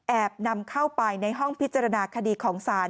นำเข้าไปในห้องพิจารณาคดีของศาล